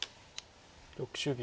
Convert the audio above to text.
６０秒。